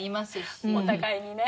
お互いにね。